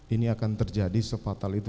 ini akan terjadi sepatal itu